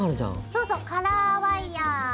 そうそうカラーワイヤー。